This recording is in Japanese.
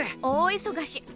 大忙し。